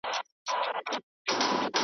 خو په زړه کي پټ له ځان سره ژړېږم .